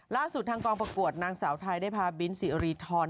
ล่าสุดทางกองประกวดนางสาวไทยได้พาบินสิรีทร